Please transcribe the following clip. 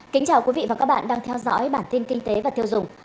kính chào quý vị và các bạn đang theo dõi bản tin kinh tế và tiêu dùng